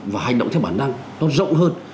và hành động theo bản năng nó rộng hơn